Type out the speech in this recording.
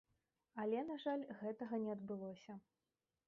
Але, на жаль, гэтага не адбылося.